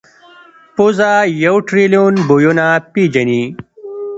پزه یو ټریلیون بویونه پېژني.